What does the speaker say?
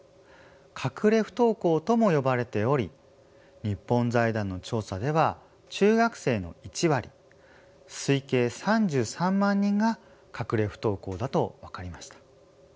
「隠れ不登校」とも呼ばれており日本財団の調査では中学生の１割推計３３万人が隠れ不登校だと分かりました。